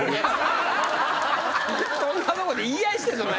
そんなとこで言い合いして。